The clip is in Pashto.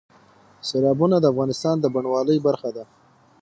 سیلابونه د افغانستان د بڼوالۍ برخه ده.